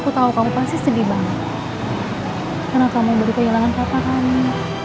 aku tahu kamu pasti sedih banget karena kamu baru kehilangan kakak kami